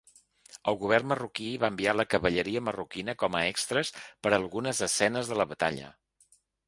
El govern marroquí va enviar la cavalleria marroquina com a extres per a algunes escenes de la batalla.